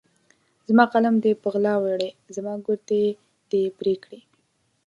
زما قلم دې په غلا وړی، زما ګوتې دي پرې کړي